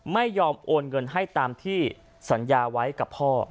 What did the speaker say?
ไม่ยอมโอนเงินให้ตามที่สัญญาไว้กับพ่อ